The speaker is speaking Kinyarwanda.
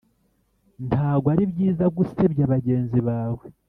ntago ari byiza gusebya bagenzi bawe